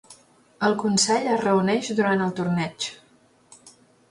El consell es reuneix durant el torneig.